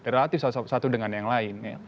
relatif satu dengan yang lain